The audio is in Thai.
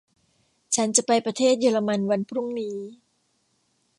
ฉันจะไปประเทศเยอรมันวันพรุ่งนี้